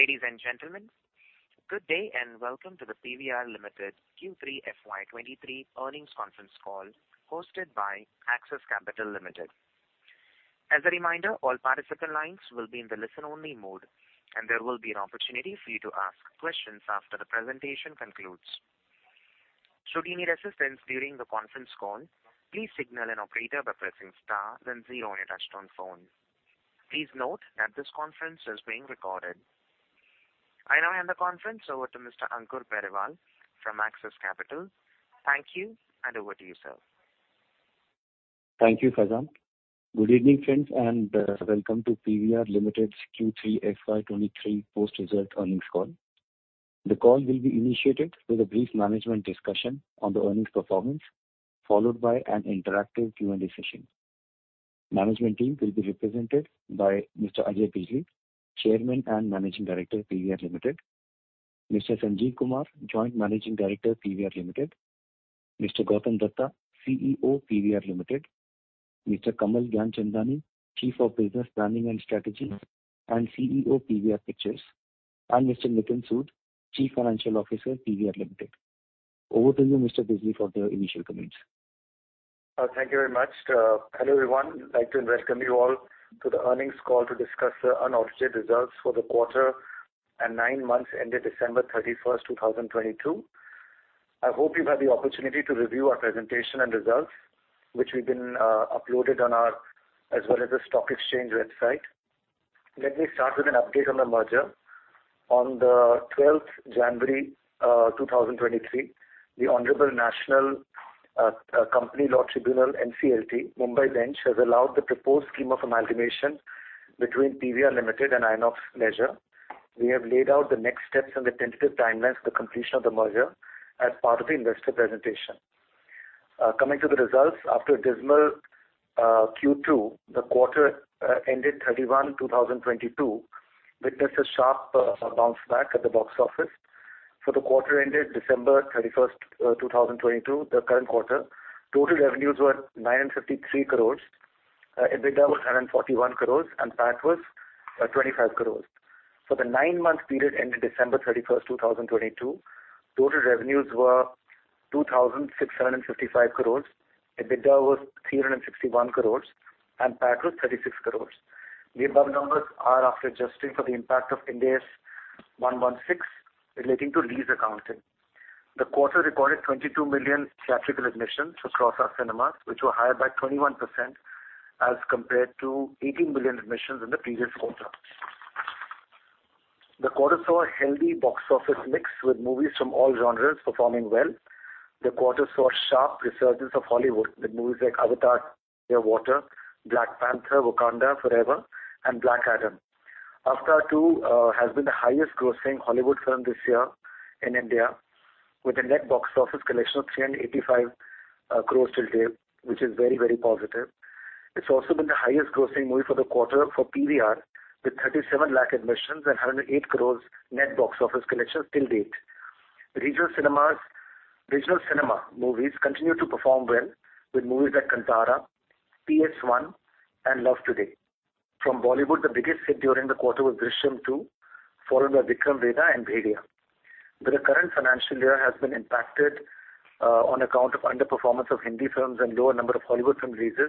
Ladies and gentlemen, good day and welcome to the PVR Limited Q3 FY 2023 earnings conference call hosted by Axis Capital Limited. As a reminder, all participant lines will be in the listen only mode and there will be an opportunity for you to ask questions after the presentation concludes. Should you need assistance during the conference call, please signal an operator by pressing star then zero on your touchtone phone. Please note that this conference is being recorded. I now hand the conference over to Mr. Ankur Periwal from Axis Capital. Thank you and over to you, sir. Thank you, Fazan. Good evening, friends, and welcome to PVR INOX Limited's Q3 FY 2023 post-result earnings call. The call will be initiated with a brief management discussion on the earnings performance, followed by an interactive Q&A session. Management team will be represented by Mr. Ajay Bijli, Chairman and Managing Director, PVR INOX Limited, Mr. Sanjeev Kumar, Joint Managing Director, PVR INOX Limited, Mr. Gautam Dutta, CEO, PVR INOX Limited, Mr. Kamal Gyan Chandani, Chief of Business Planning and Strategy and CEO, PVR Pictures, and Mr. Nitin Sood, Chief Financial Officer, PVR INOX Limited. Over to you, Mr. Bijli, for the initial comments. Thank you very much. Hello, everyone. I'd like to welcome you all to the earnings call to discuss the unaudited results for the quarter and nine months ended December 31st, 2022. I hope you've had the opportunity to review our presentation and results, which we've been uploaded on our as well as the stock exchange website. Let me start with an update on the merger. On the 12th January, 2023, the Honorable National Company Law Tribunal, NCLT, Mumbai bench, has allowed the proposed Scheme of Amalgamation between PVR Limited and INOX Leisure. We have laid out the next steps and the tentative timelines for completion of the merger as part of the investor presentation. Coming to the results. After a dismal Q2, the quarter ended 31, 2022, witnessed a sharp bounce back at the box office. For the quarter ended December 31, 2022, the current quarter, total revenues were 953 crores. EBITDA was 741 crores and PAT was 25 crores. For the nine-month period ended December 31, 2022, total revenues were 2,655 crores. EBITDA was 361 crores, and PAT was 36 crores. The above numbers are after adjusting for the impact of Ind AS 116 relating to lease accounting. The quarter recorded 22 million theatrical admissions across our cinemas, which were higher by 21% as compared to 18 million admissions in the previous quarter. The quarter saw a healthy box office mix with movies from all genres performing well. The quarter saw a sharp resurgence of Hollywood with movies like Avatar: The Way of Water, Black Panther: Wakanda Forever, and Black Adam. Avatar 2 has been the highest grossing Hollywood film this year in India with a net box office collection of 385 crores till date, which is very, very positive. It's also been the highest grossing movie for the quarter for PVR with 37 admissions and 108 crores net box office collections till date. Regional cinema movies continued to perform well with movies like Kantara, PS 1 and Love Today. From Bollywood, the biggest hit during the quarter was Drishyam 2, followed by Vikram Vedha and Bhediya. The current financial year has been impacted on account of underperformance of Hindi films and lower number of Hollywood film releases.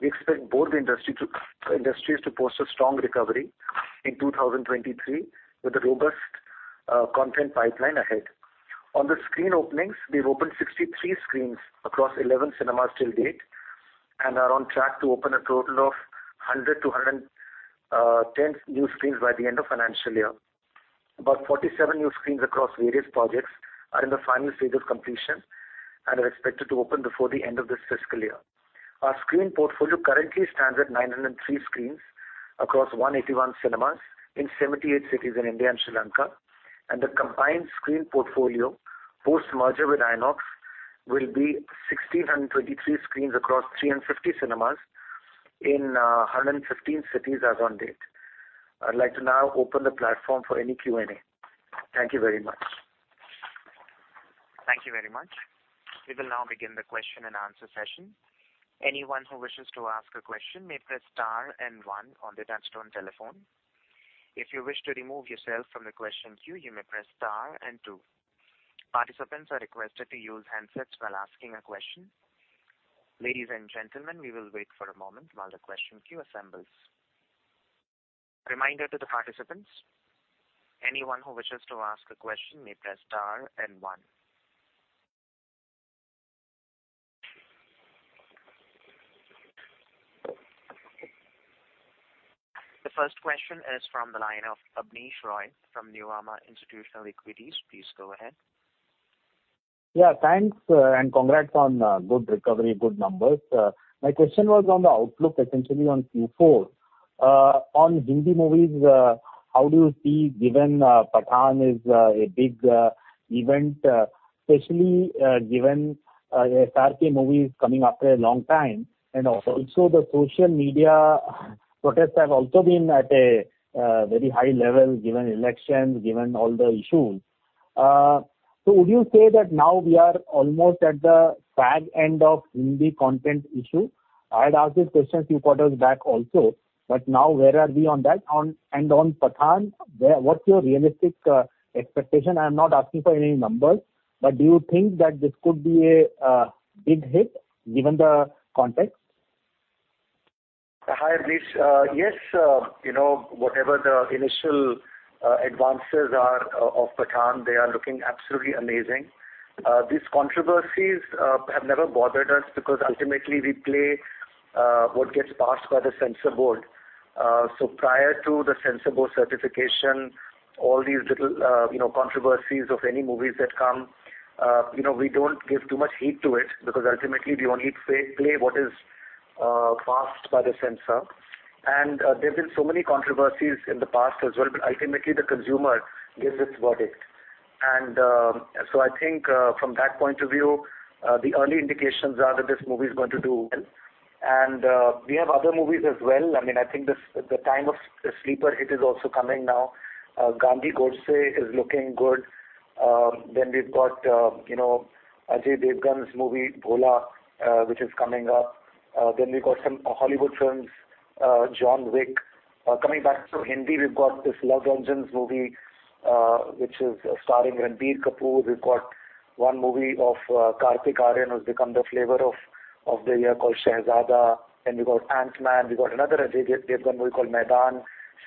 We expect both industries to post a strong recovery in 2023 with a robust content pipeline ahead. On the screen openings, we've opened 63 screens across 11 cinemas till date and are on track to open a total of 100-110 new screens by the end of financial year. About 47 new screens across various projects are in the final stage of completion and are expected to open before the end of this fiscal year. Our screen portfolio currently stands at 903 screens across 181 cinemas in 78 cities in India and Sri Lanka. The combined screen portfolio, post-merger with INOX, will be 1,623 screens across 350 cinemas in 115 cities as on date. I'd like to now open the platform for any Q&A. Thank you very much. Thank you very much. We will now begin the question and answer session. Anyone who wishes to ask a question may press star and one on their touchtone telephone. If you wish to remove yourself from the question queue, you may press star and two. Participants are requested to use handsets while asking a question. Ladies and gentlemen, we will wait for a moment while the question queue assembles. A reminder to the participants, anyone who wishes to ask a question may press star and one. The first question is from the line of Abneesh Roy from Nuvama Institutional Equities. Please go ahead. Yeah, thanks, congrats on good recovery, good numbers. My question was on the outlook, essentially on Q4. On Hindi movies, how do you see given Pathaan is a big event, especially given a SRK movie is coming after a long time, the social media protests have also been at a very high level given elections, given all the issues. Would you say that now we are almost at the fag end of Hindi content issue? I had asked this question a few quarters back also, but now where are we on that? And on Pathaan, what's your realistic expectation? I'm not asking for any numbers, but do you think that this could be a big hit given the context? Hi, Abhi. Yes, you know, whatever the initial advances are of Pathaan, they are looking absolutely amazing. These controversies have never bothered us because ultimately we play what gets passed by the Censor Board. Prior to the Censor Board certification, all these little, you know, controversies of any movies that come, you know, we don't give too much heed to it because ultimately we only play what is passed by the censor. There have been so many controversies in the past as well, but ultimately the consumer gives its verdict. I think from that point of view, the early indications are that this movie is going to do well. We have other movies as well. I mean, I think this, the time of sleeper hit is also coming now. Gandhi Godse is looking good. Then we've got, you know, Ajay Devgn's movie, Bholaa, which is coming up. We've got some Hollywood films, John Wick. Coming back to Hindi, we've got this Luv Ranjan's movie, which is starring Ranbir Kapoor. We've got one movie of Kartik Aaryan, who's become the flavor of the year, called Shehzada. We've got Ant-Man. We've got another Ajay Devgn movie called Maidaan.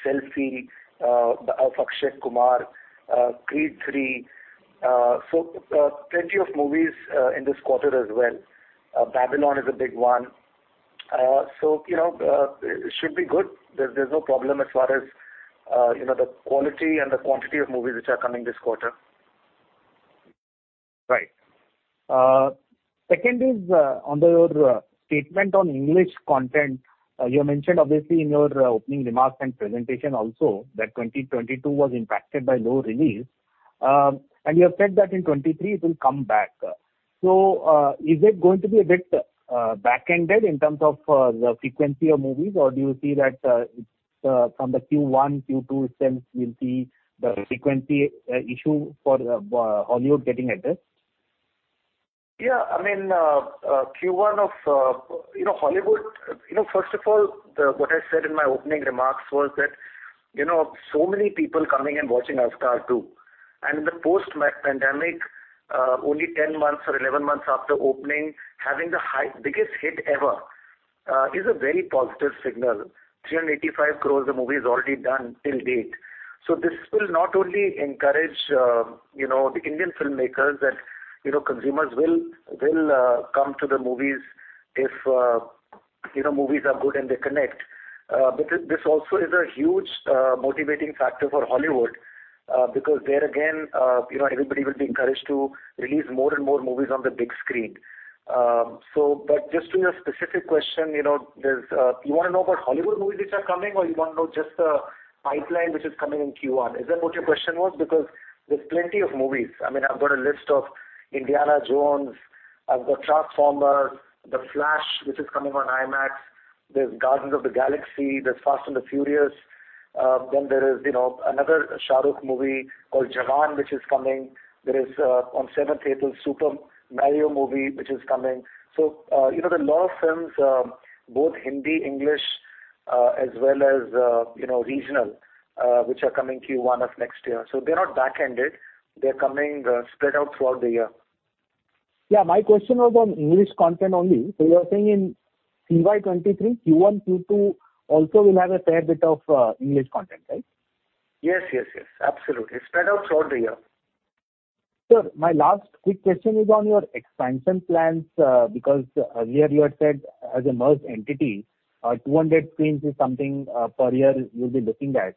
Selfiee, of Akshay Kumar. Creed III. Plenty of movies in this quarter as well. Babylon is a big one. You know, it should be good. There's no problem as far as, you know, the quality and the quantity of movies which are coming this quarter. Right. Second is on your statement on English content. You mentioned obviously in your opening remarks and presentation also that 2022 was impacted by low release. You have said that in 2023 it will come back. Is it going to be a bit back-ended in terms of the frequency of movies? Or do you see that it's from the Q1, Q2 sense, we'll see the frequency issue for Hollywood getting addressed? Yeah. I mean, Q1 of, you know, Hollywood. You know, first of all, what I said in my opening remarks was that, you know, so many people coming and watching Avatar Two. In the post-pandemic, only 10 months or 11 months after opening, having the biggest hit ever, is a very positive signal. 385 crores the movie has already done till date. This will not only encourage, you know, the Indian filmmakers that, you know, consumers will come to the movies if, you know, movies are good and they connect. But this also is a huge motivating factor for Hollywood, because there again, you know, everybody will be encouraged to release more and more movies on the big screen. But just to your specific question, you know, there's... You wanna know about Hollywood movies which are coming or you wanna know just the pipeline which is coming in Q1? Is that what your question was? There's plenty of movies. I mean, I've got a list of Indiana Jones, I've got Transformers, The Flash, which is coming on IMAX. There's Guardians of the Galaxy, there's Fast and the Furious. There is, you know, another Shah Rukh movie called Jawan, which is coming. There is on seventh April, Super Mario movie, which is coming. You know, there are a lot of films, both Hindi, English, as well as, you know, regional, which are coming Q1 of next year. They're not back-ended. They're coming spread out throughout the year. Yeah. My question was on English content only. You're saying in FY 2023, Q1, Q2 also will have a fair bit of English content, right? Yes, yes. Absolutely. Spread out throughout the year. Sir, my last quick question is on your expansion plans, because earlier you had said as a merged entity, 200 screens is something per year you'll be looking at.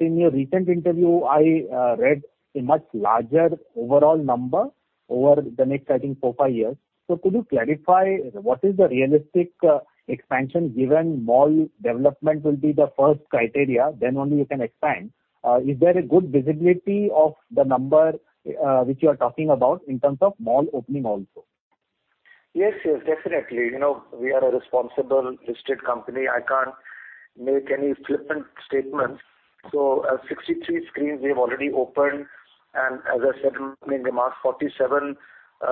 In your recent interview, I read a much larger overall number over the next, I think, four to five years. Could you clarify what is the realistic expansion given mall development will be the first criteria, then only you can expand. Is there a good visibility of the number which you are talking about in terms of mall opening also? Yes, yes. Definitely. You know, we are a responsible listed company. I can't make any flippant statements. 63 screens we have already opened. As I said in opening remarks, 47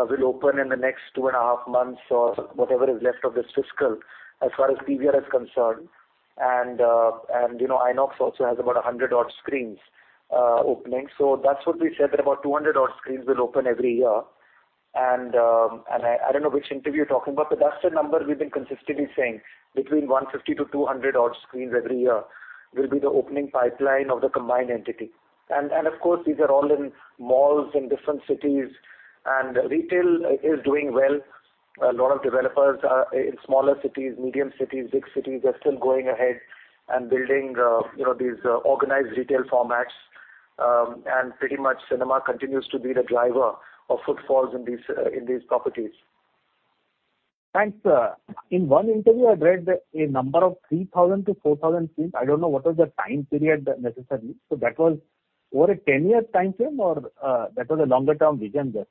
will open in the next two and a half months or whatever is left of this fiscal, as far as PVR is concerned. You know, INOX also has about 100 odd screens opening. That's what we said, that about 200 odd screens will open every year. I don't know which interview you're talking about, but that's the number we've been consistently saying, between 150 to 200 odd screens every year will be the opening pipeline of the combined entity. Of course, these are all in malls in different cities, and retail is doing well. A lot of developers, in smaller cities, medium cities, big cities, are still going ahead and building, you know, these organized retail formats. Pretty much cinema continues to be the driver of footfalls in these, in these properties. Thanks, sir. In one interview, I read that a number of 3,000-4,000 screens. I don't know what was the time period that necessarily. That was over a 10-year time frame or that was a longer-term vision?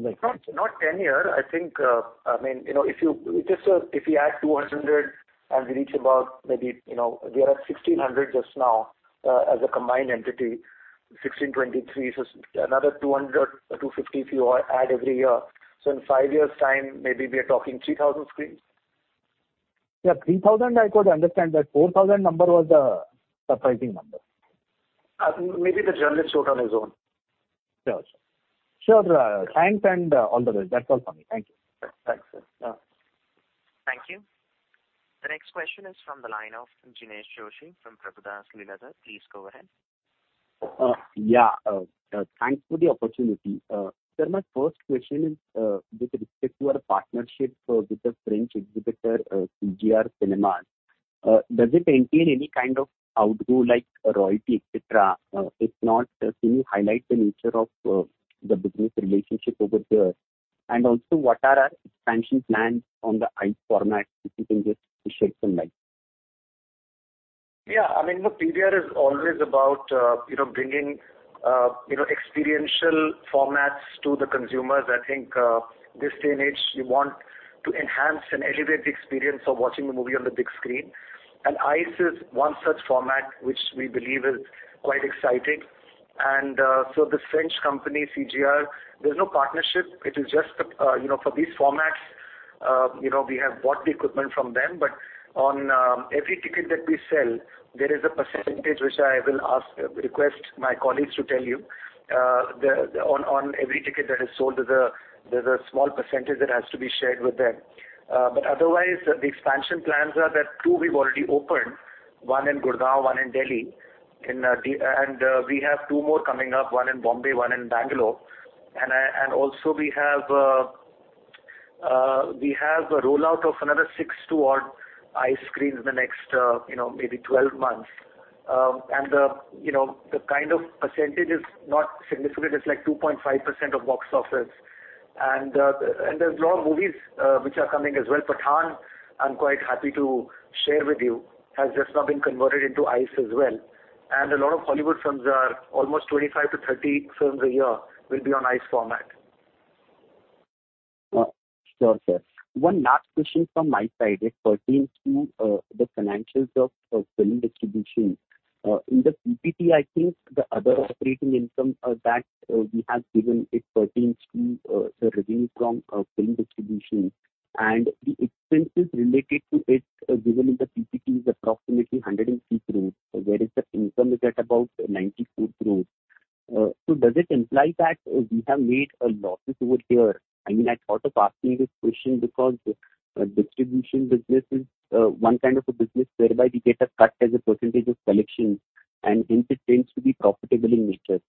Not 10 year. I think, I mean, you know, if you just, if you add 200 and we reach about maybe, you know, we are at 1,600 just now, as a combined entity. 1,623. Another 200 or 250 if you add every year. In five years' time, maybe we are talking 3,000 screens. Yeah. 3,000 I could understand. That 4,000 number was a surprising number. Maybe the journalist wrote on his own. Sure, sure. Sure. Thanks, and all the best. That's all for me. Thank you. Thanks, sir. Yeah. Thank you. The next question is from the line of Jinesh Joshi from Prabhudas Lilladher. Please go ahead. Yeah. Thanks for the opportunity. Uh, sir, my first question is, uh, with respect to your partnership, uh, with the French exhibitor, uh, CGR Cinemas, uh, does it entail any kind of outgo like a royalty, et cetera? Uh, if not, uh, can you highlight the nature of, uh, the business relationship over there? And also, what are our expansion plans on the ICE format, if you can just shed some light? Yeah. I mean, look, PVR is always about, you know, bringing, you know, experiential formats to the consumers. I think, this day and age, you want to enhance and elevate the experience of watching a movie on the big screen. ICE is one such format which we believe is quite exciting. The French company, CGR, there's no partnership. It is just, you know, for these formats, you know, we have bought the equipment from them, but on every ticket that we sell, there is a percentage which I will ask, request my colleagues to tell you. On every ticket that is sold there's a small percentage that has to be shared with them. Otherwise, the expansion plans are that 2 we've already opened, 1 in Gurgaon, 1 in Delhi. In D... We have two more coming up, one in Bombay, one in Bangalore. Also we have a rollout of another 6 to odd ICE screens in the next, you know, maybe 12 months. The, you know, the kind of % is not significant. It's like 2.5% of box office. There's a lot of movies which are coming as well. Pathaan, I'm quite happy to share with you, has just now been converted into ICE as well. A lot of Hollywood films are almost 25 to 30 films a year will be on ICE format. Sure, sir. One last question from my side. It pertains to the financials of film distribution. In the PPT, I think the other operating income that we have given, it pertains to the revenue from film distribution. The expenses related to it given in the PPT is approximately 106 crores, whereas the income is at about 94 crores. Does it imply that we have made a losses over here? I mean, I thought of asking this question because distribution business is one kind of a business whereby we get a cut as a percentage of collections, and hence it tends to be profitable in nature.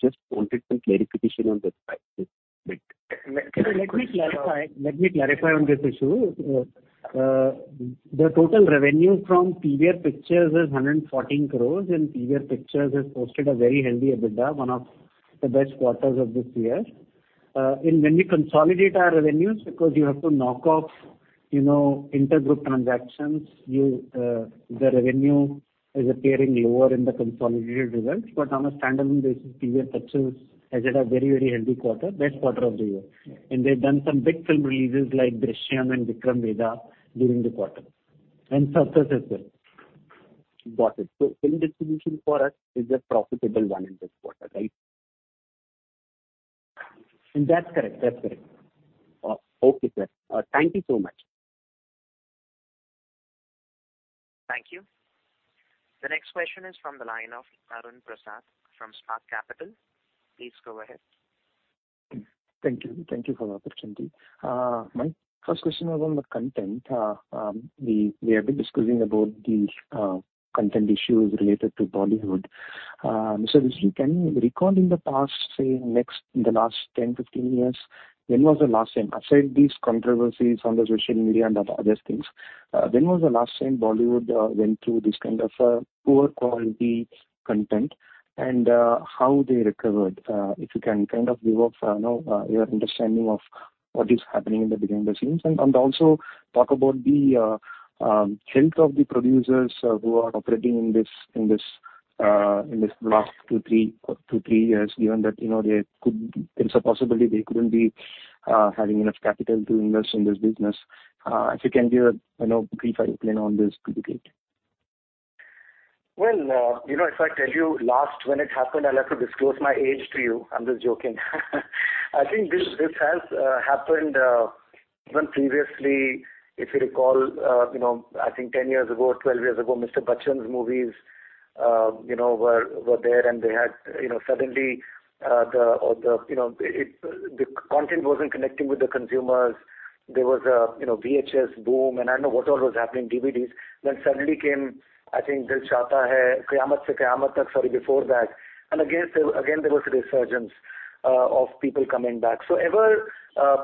Just wanted some clarification on this aspect. Let me clarify. Let me clarify on this issue. The total revenue from PVR Pictures is 114 crores, and PVR Pictures has posted a very healthy EBITDA, one of the best quarters of this year. When we consolidate our revenues, because you have to knock off, you know, intergroup transactions, the revenue is appearing lower in the consolidated results. On a standalone basis, PVR Pictures has had a very, very healthy quarter, best quarter of the year. They've done some big film releases like Drishyam and Vikram Vedha during the quarter. Sarpatta Parambarai. Got it. Film distribution for us is a profitable one in this quarter, right? That's correct. That's correct. Okay, sir. Thank you so much. Thank you. The next question is from the line of Arun Prasath from Spark Capital. Please go ahead. Thank you. Thank you for the opportunity. My first question is on the content. We have been discussing about the content issues related to Bollywood. This week, can you recall in the past, say, in the last 10, 15 years, when was the last time, aside these controversies on the social media and the other things, when was the last time Bollywood went through this kind of poor quality content and how they recovered? If you can kind of give us, you know, your understanding of what is happening in the behind-the-scenes and also talk about the health of the producers who are operating in this, in this last two, three, two to three years, given that, you know, they could... There's a possibility they couldn't be having enough capital to invest in this business. If you can give a, you know, brief outline on this, that'd be great. Well, you know, if I tell you last when it happened, I'll have to disclose my age to you. I'm just joking. I think this has happened even previously, if you recall, you know, I think 10 years ago, 12 years ago, Mr. Bachchan's movies, you know, were there, and they had, you know, suddenly, the, you know, the content wasn't connecting with the consumers. There was a, you know, VHS boom, and I don't know what all was happening, DVDs. Then suddenly came, I think, Dil Chahta Hai, Qayamat Se Qayamat Tak, sorry, before that. Again, there, again, there was a resurgence of people coming back. Ever,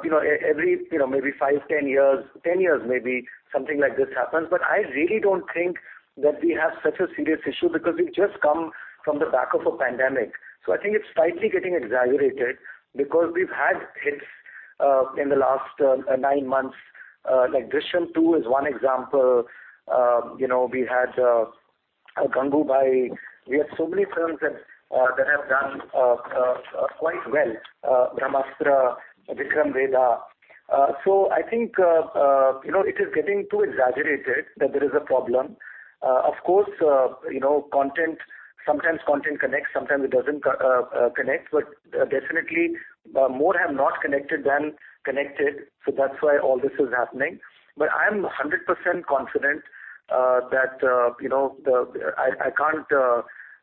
you know, every, you know, maybe five, 10 years, 10 years maybe, something like this happens. I really don't think that we have such a serious issue because we've just come from the back of a pandemic. I think it's slightly getting exaggerated because we've had hits in the last nine months. Like Drishyam 2 is one example. You know, we had Gangubai. We have so many films that have done quite well. Brahmastra, Vikram Vedha. I think, you know, it is getting too exaggerated that there is a problem. Of course, you know, content, sometimes content connects, sometimes it doesn't connect, but definitely more have not connected than connected, so that's why all this is happening. I am 100% confident that, you know, the... I can't,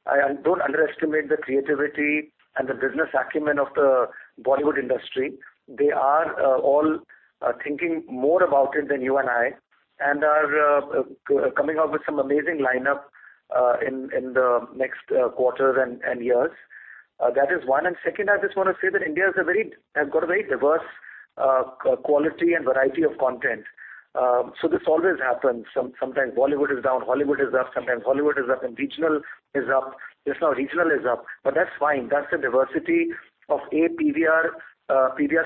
I don't underestimate the creativity and the business acumen of the Bollywood industry. They are all thinking more about it than you and I, and are coming out with some amazing lineup in the next quarters and years. That is one. Second, I just wanna say that India have got a very diverse quality and variety of content. This always happens. Sometimes Bollywood is down, Hollywood is up. Sometimes Hollywood is up and regional is up. Just now regional is up, but that's fine. That's the diversity of PVR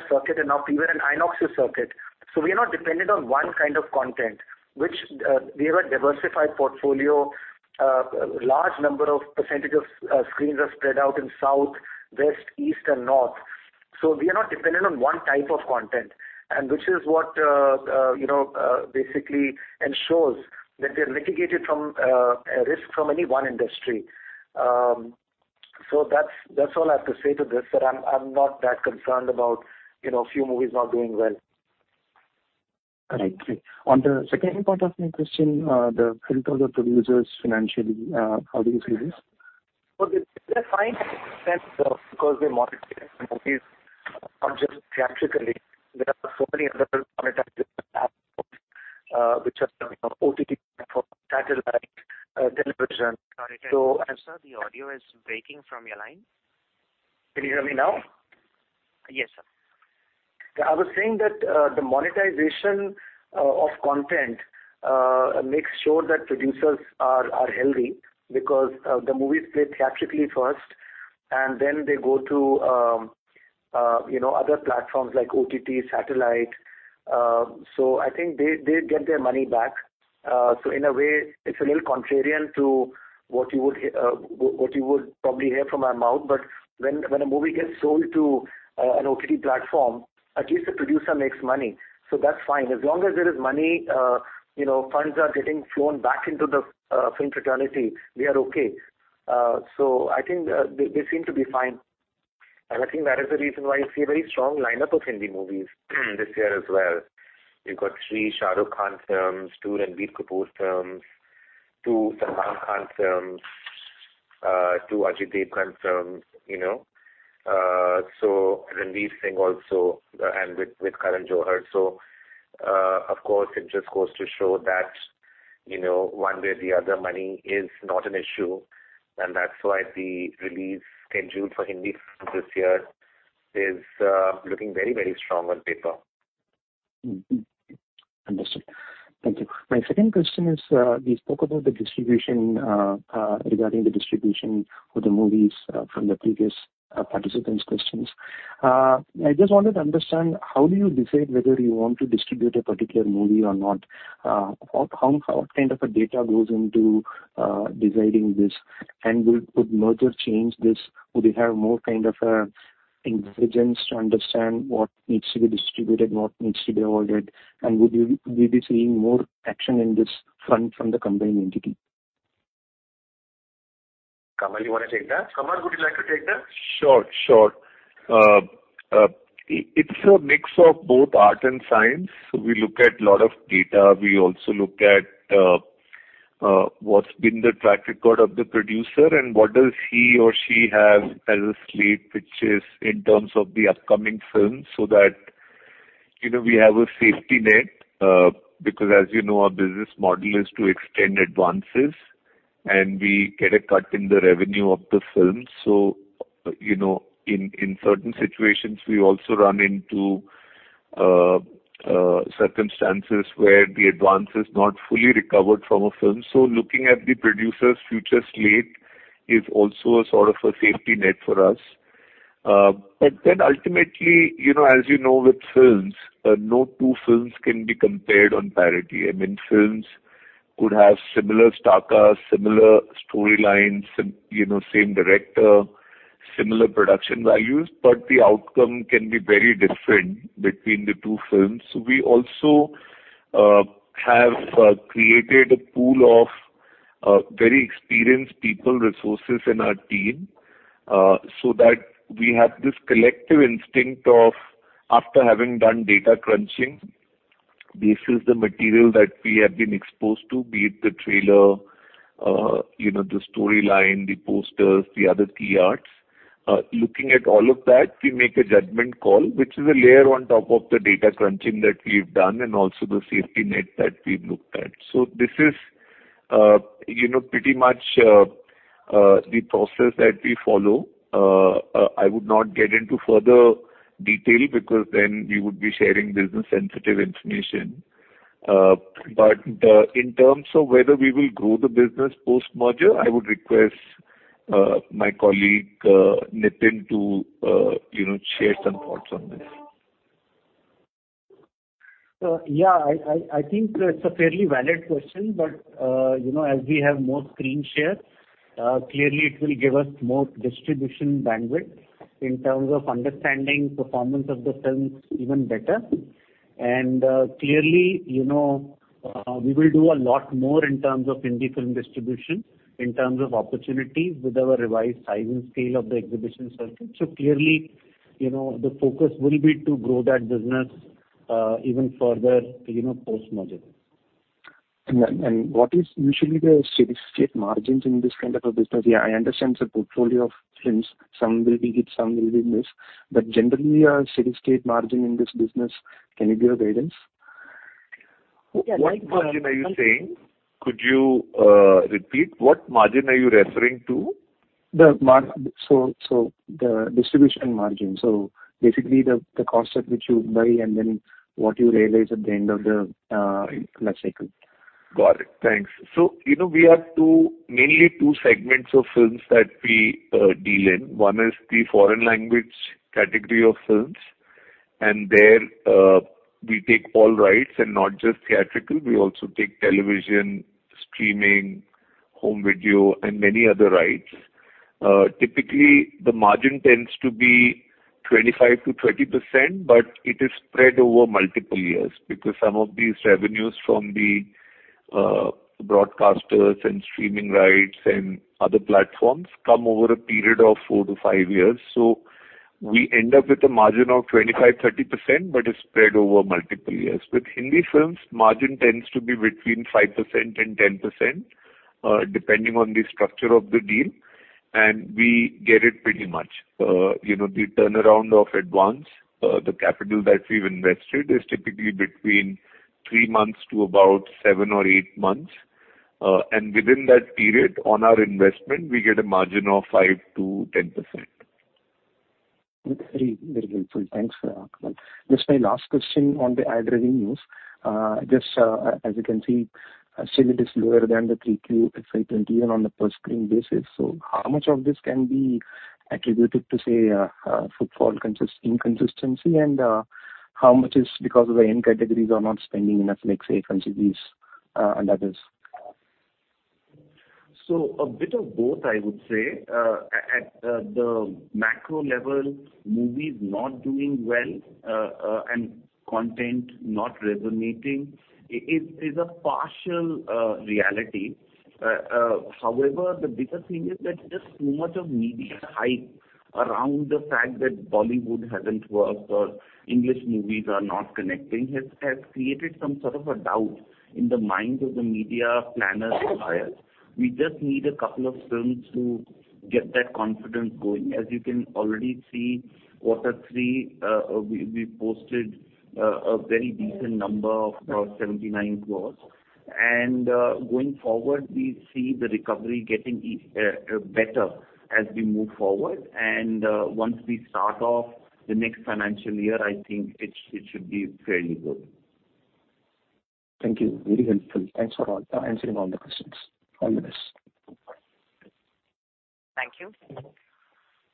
circuit and now PVR and INOX's circuit. We are not dependent on one kind of content, which we have a diversified portfolio. Large number of percentage of screens are spread out in South, East, West, and North. We are not dependent on one type of content, and which is what, you know, basically ensures that we are mitigated from a risk from any one industry. That's all I have to say to this. I'm not that concerned about, you know, a few movies not doing well. Correct. On the second part of my question, the health of the producers financially, how do you see this? Well, they're fine in a sense, because we monetize the movies not just theatrically. There are so many other monetization platforms, which are coming on OTT platforms, satellite, television. Sorry to interrupt, sir. The audio is breaking from your line. Can you hear me now? Yes, sir. I was saying that the monetization of content makes sure that producers are healthy because the movies play theatrically first, and then they go to, you know, other platforms like OTT, satellite. I think they get their money back. In a way, it's a little contrarian to what you would probably hear from our mouth. When a movie gets sold to an OTT platform, at least the producer makes money. That's fine. As long as there is money, you know, funds are getting flown back into the film fraternity, we are okay. I think they seem to be fine. I think that is the reason why you see a very strong lineup of Hindi movies this year as well. You've got three Shah Rukh Khan films, two Ranbir Kapoor films, two Salman Khan films, two Ajay Devgn films, you know. Ranveer Singh also, and with Karan Johar. Of course, it just goes to show that, you know, one way or the other, money is not an issue, and that's why the release scheduled for Hindi films this year is looking very, very strong on paper. Understood. Thank you. My second question is, we spoke about the distribution, regarding the distribution of the movies, from the previous participants' questions. I just wanted to understand, how do you decide whether you want to distribute a particular movie or not? How, what kind of a data goes into deciding this? Could merger change this? Would we have more kind of intelligence to understand what needs to be distributed, what needs to be avoided? Would we be seeing more action in this front from the combined entity? Kamal, you wanna take that? Kamal, would you like to take that? Sure, sure. It's a mix of both art and science. We look at lot of data. We also look at what's been the track record of the producer and what does he or she have as a slate, which is in terms of the upcoming films, so that, you know, we have a safety net. Because as you know, our business model is to extend advances, and we get a cut in the revenue of the films. You know, in certain situations, we also run into circumstances where the advance is not fully recovered from a film. So looking at the producer's future slate is also a sort of a safety net for us. Ultimately, you know, as you know with films, no two films can be compared on parity. I mean, films could have similar star cast, similar storylines, you know, same director, similar production values, but the outcome can be very different between the two films. We also have created a pool of very experienced people resources in our team, so that we have this collective instinct of, after having done data crunching, this is the material that we have been exposed to, be it the trailer, you know, the storyline, the posters, the other key arts. Looking at all of that, we make a judgment call, which is a layer on top of the data crunching that we've done and also the safety net that we've looked at. This is, you know, pretty much the process that we follow. I would not get into further detail because then we would be sharing business sensitive information. In terms of whether we will grow the business post-merger, I would request my colleague, Nitin, to, you know, share some thoughts on this. Yeah, I think it's a fairly valid question. You know, as we have more screen share, clearly it will give us more distribution bandwidth in terms of understanding performance of the films even better. Clearly, you know, we will do a lot more in terms of indie film distribution, in terms of opportunities with our revised size and scale of the exhibition circuit. Clearly, you know, the focus will be to grow that business, even further, you know, post-merger. What is usually the steady-state margins in this kind of a business? Yeah, I understand it's a portfolio of films. Some will be hits, some will be miss. Generally, a steady-state margin in this business, can you give a guidance? Yeah, like. What margin are you saying? Could you repeat what margin are you referring to? The distribution margin. Basically, the cost at which you buy and then what you realize at the end of the life cycle. Got it. Thanks. You know, we have two, mainly two segments of films that we deal in. One is the foreign language category of films, and there, we take all rights and not just theatrical. We also take television, streaming, home video, and many other rights. Typically, the margin tends to be 25%-30%, but it is spread over multiple years because some of these revenues from the broadcasters and streaming rights and other platforms come over a period of four to five years. We end up with a margin of 25%, 30%, but it's spread over multiple years. With Hindi films, margin tends to be between 5% and 10%, depending on the structure of the deal, and we get it pretty much. You know, the turnaround of advance, the capital that we've invested is typically between three months to about seven or eight months. Within that period on our investment, we get a margin of 5%-10%. Very, very helpful. Thanks, Kamal. Just my last question on the ad revenues. just, as you can see, still it is lower than the 3Q FY 2020 on a per screen basis. How much of this can be attributed to, say, football inconsistency and how much is because of the end categories are not spending enough, let's say, from series and others? A bit of both, I would say. At the macro level, movies not doing well and content not resonating is a partial reality. However, the bigger thing is that just too much of media hype around the fact that Bollywood hasn't worked or English movies are not connecting has created some sort of a doubt in the minds of the media planners and buyers. We just need a couple of films to get that confidence going. As you can already see, quarter three, we posted a very decent number of 79 crores. Going forward, we see the recovery getting better as we move forward. Once we start off the next financial year, I think it should be fairly good. Thank you. Very helpful. Thanks for answering all the questions. All the best. Thank you.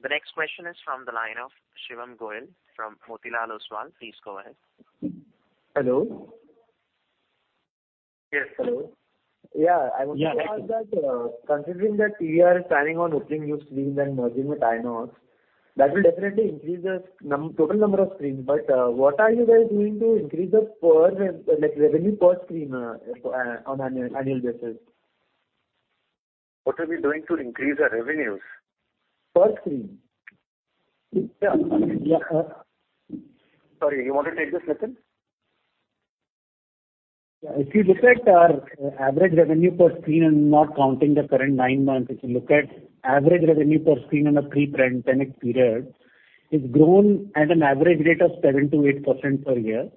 The next question is from the line of Shivam Gohil from Motilal Oswal. Please go ahead. Hello? Yes. Hello. Yeah. Yeah. I want to ask that, considering that you are planning on opening new screens and merging with INOX, that will definitely increase the total number of screens. What are you guys doing to increase the per, like, revenue per screen, on an annual basis? What are we doing to increase our revenues? Per screen. Yeah. Yeah, Sorry, you want to take this, Nitin? Yeah. If you look at our average revenue per screen and not counting the current 9 months, if you look at average revenue per screen in a pre-pandemic period, it's grown at an average rate of 7%-8% per year.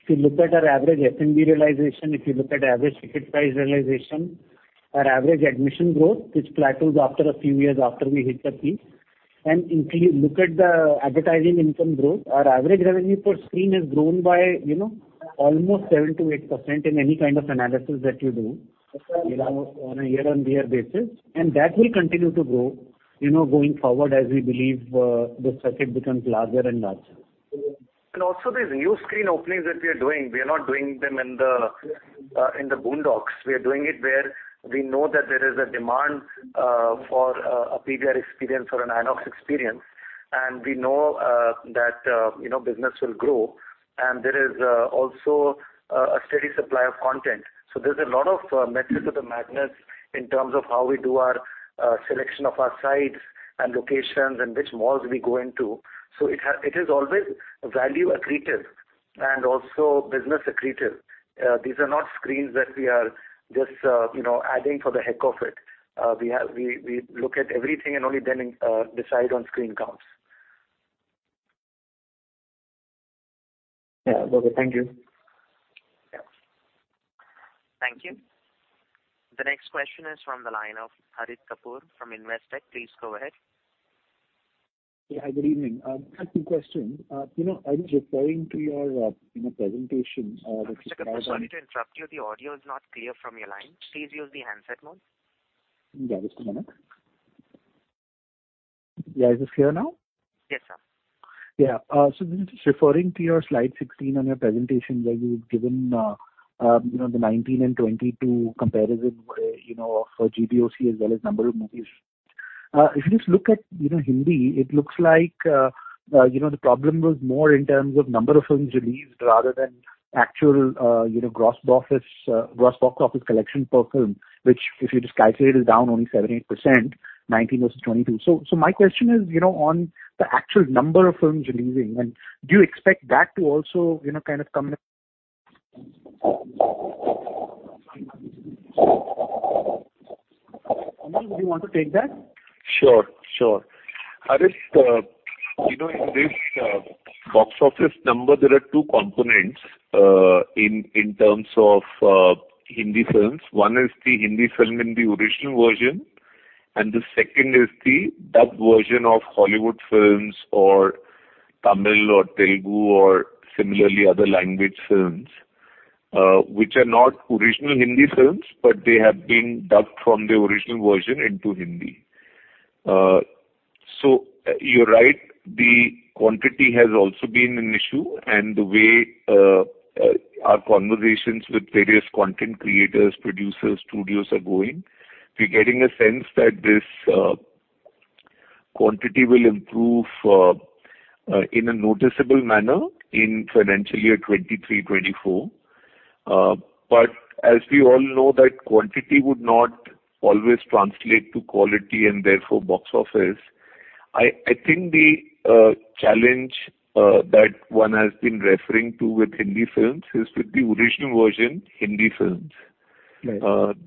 If you look at our average F&B realization, if you look at average ticket price realization, our average admission growth, which plateaus after a few years after we hit the peak, and look at the advertising income growth, our average revenue per screen has grown by, you know, almost 7%-8% in any kind of analysis that you do, you know, on a year-on-year basis. That will continue to grow, you know, going forward as we believe, the circuit becomes larger and larger. Also these new screen openings that we are doing, we are not doing them in the boondocks. We are doing it where we know that there is a demand for a PVR experience or an INOX experience, and we know that, you know, business will grow and there is also a steady supply of content. There's a lot of method to the madness in terms of how we do our selection of our sites and locations and which malls we go into. It is always value accretive and also business accretive. These are not screens that we are just, you know, adding for the heck of it. We look at everything and only then decide on screen counts. Yeah. Okay. Thank you. Yeah. Thank you. The next question is from the line of Harit Kapoor from Investec. Please go ahead. Yeah. Good evening. I have two questions. you know, I was referring to your, you know, presentation, Harit Kapoor, sorry to interrupt you. The audio is not clear from your line. Please use the handset mode. Yeah, just a moment. Yeah. Is this clear now? Yes, sir. Yeah. This is just referring to your slide 16 on your presentation where you've given, you know, the 2019 and 2022 comparison where, you know, for GBO as well as number of movies. If you just look at, you know, Hindi, it looks like, you know, the problem was more in terms of number of films released rather than actual, you know, gross box office collection per film, which if you just calculate, is down only 78%, 2019 versus 2022. My question is, you know, on the actual number of films releasing, and do you expect that to also, you know, kind of come. Amit, do you want to take that? Sure. Sure. Harish, you know, in this box office number, there are two components in terms of Hindi films. One is the Hindi film in the original version, the second is the dubbed version of Hollywood films or Tamil or Telugu or similarly other language films, which are not original Hindi films, but they have been dubbed from the original version into Hindi. You're right, the quantity has also been an issue, and the way our conversations with various content creators, producers, studios are going, we're getting a sense that this quantity will improve in a noticeable manner in financial year 2023, 2024. As we all know that quantity would not always translate to quality and therefore box office. I think the challenge that one has been referring to with Hindi films is with the original version Hindi films. Right.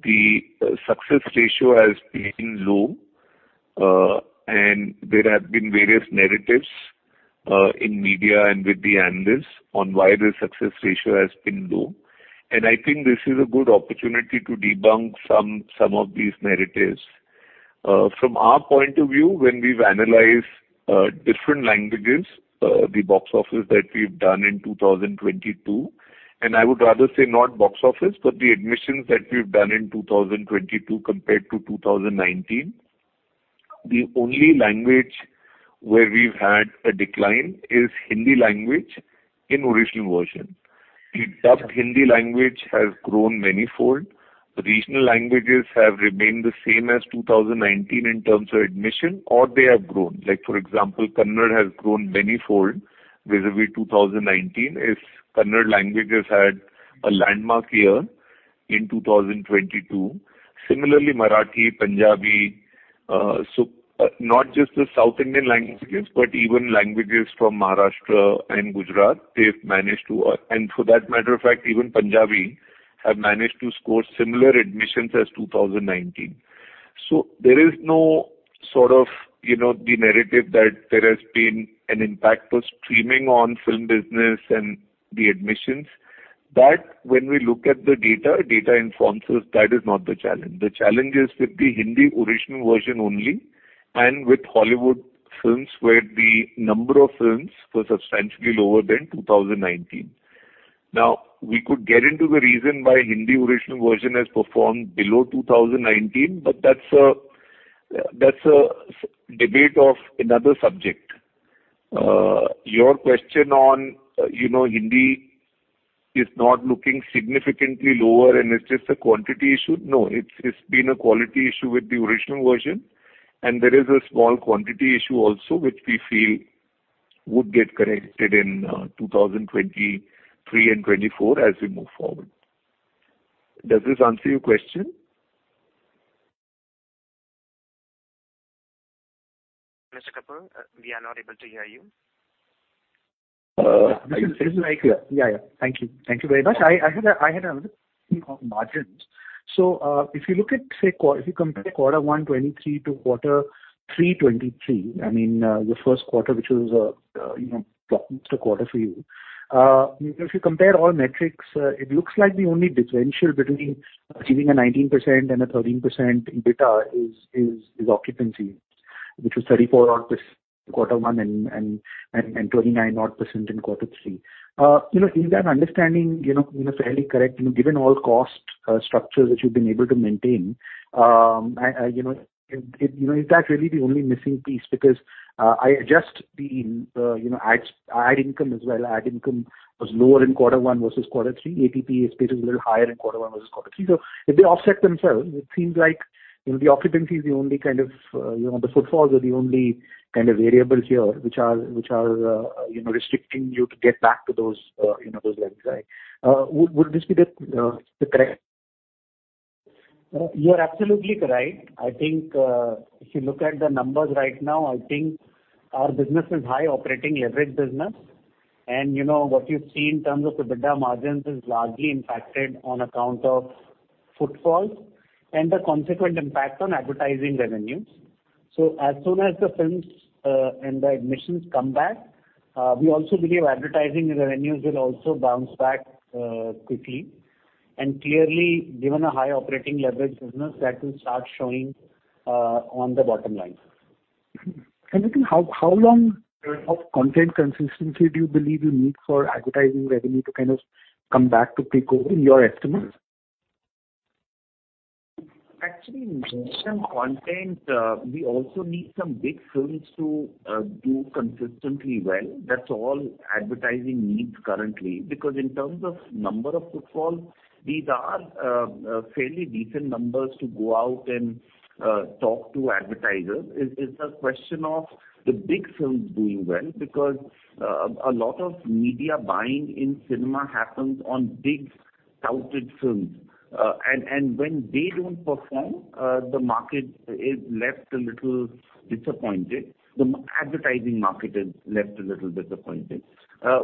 The success ratio has been low. There have been various narratives in media and with the analysts on why the success ratio has been low. I think this is a good opportunity to debunk some of these narratives. From our point of view, when we've analyzed different languages, the box office that we've done in 2022, and I would rather say not box office, but the admissions that we've done in 2022 compared to 2019, the only language where we've had a decline is Hindi language in original version. The dubbed Hindi language has grown manifold. Regional languages have remained the same as 2019 in terms of admission, or they have grown. Like for example, Kannada has grown manifold vis-a-vis 2019 as Kannada languages had a landmark year in 2022. Similarly, Marathi, Punjabi, not just the South Indian languages, but even languages from Maharashtra and Gujarat, they've managed to... For that matter of fact, even Punjabi have managed to score similar admissions as 2019. There is no sort of, you know, the narrative that there has been an impact of streaming on film business and the admissions. When we look at the data informs us that is not the challenge. The challenge is with the Hindi original version only and with Hollywood films where the number of films was substantially lower than 2019. We could get into the reason why Hindi original version has performed below 2019, that's a, that's a debate of another subject. Your question on, you know, Hindi is not looking significantly lower and it's just a quantity issue. It's been a quality issue with the original version, and there is a small quantity issue also which we feel would get corrected in 2023 and 2024 as we move forward. Does this answer your question? Harit, we are not able to hear you. This is like. Yeah. Thank you. Thank you very much. I had a on margins. If you look at, say, if you compare quarter 1 2023 to quarter 3 2023, I mean, the first quarter, which was, you know, bottom most quarter for you. If you compare all metrics, it looks like the only differential between achieving a 19% and a 13% EBITDA is occupancy, which was 34 odd % quarter one and 29 odd % in quarter three. Is that understanding, you know, fairly correct? Given all cost structures that you've been able to maintain, you know, is that really the only missing piece? Because, I adjust the, you know, ad income as well. Ad income was lower in quarter one versus quarter three. ATP is a little higher in quarter one versus quarter three. If they offset themselves, it seems like, you know, the occupancy is the only kind of, you know, the footfalls are the only kind of variables here which are, you know, restricting you to get back to those, you know, those levels, right? Would this be the correct? You're absolutely correct. I think, if you look at the numbers right now, I think our business is high operating leverage business. You know what you see in terms of EBITDA margins is largely impacted on account of footfalls and the consequent impact on advertising revenues. As soon as the films, and the admissions come back, we also believe advertising revenues will also bounce back quickly. Clearly, given a high operating leverage business that will start showing on the bottom line. I think how long of content consistency do you believe you need for advertising revenue to kind of come back to peak over your estimates? Actually, national content, we also need some big films to do consistently well. That's all advertising needs currently. In terms of number of footfall, these are fairly decent numbers to go out and talk to advertisers. It's a question of the big films doing well, because a lot of media buying in cinema happens on big touted films. When they don't perform, the market is left a little disappointed. The advertising market is left a little disappointed. As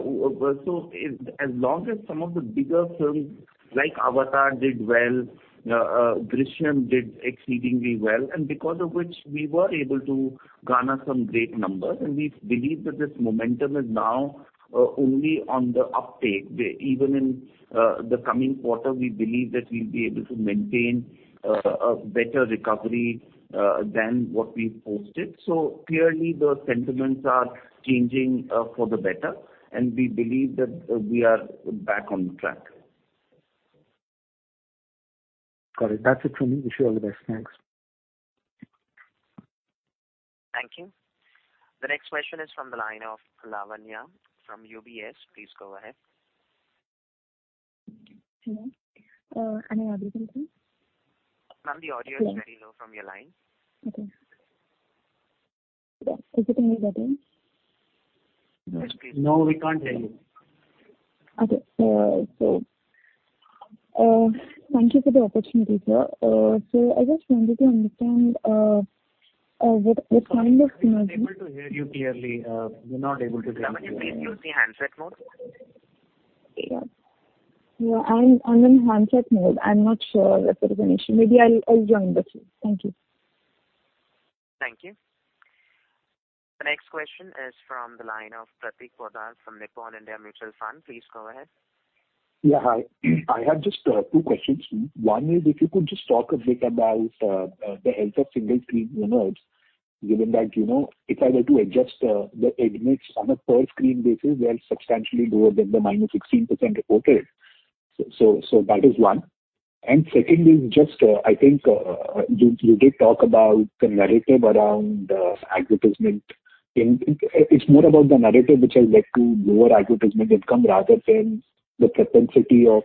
long as some of the bigger films like Avatar did well, Drishyam 2 did exceedingly well, and because of which we were able to garner some great numbers, and we believe that this momentum is now only on the uptake. Even in the coming quarter, we believe that we'll be able to maintain a better recovery than what we've posted. Clearly the sentiments are changing for the better, and we believe that we are back on track. Got it. That's it from me. Wish you all the best. Thanks. Thank you. The next question is from the line of Lavanya from UBS. Please go ahead. Hello. Can you hear me from here? Ma'am, the audio is very low from your line. Okay. Is it any better? No, we can't hear you. Okay. Thank you for the opportunity, sir. I just wanted to understand what kind of- Sorry, we're not able to hear you clearly. We're not able to hear you. Lavanya, please use the handset mode. Yeah. Yeah, I'm in handset mode. I'm not sure if there is an issue. Maybe I'll join the queue. Thank you. Thank you. The next question is from the line of Prateek Poddar from Nippon India Mutual Fund. Please go ahead. Yeah, hi. I have just two questions. One is if you could just talk a bit about the health of single screen owners, given that, you know, if I were to adjust the admits on a per screen basis, they are substantially lower than the -16% reported. That is one. Secondly, just, I think, you did talk about the narrative around advertisement. It's more about the narrative which has led to lower advertisement income rather than the propensity of,